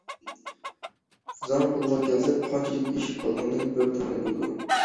زاڭ پۇلغا كەلسەك قانچىلىك ئېشىپ قالغىنىنى بىر تەڭرى بىلىدۇ.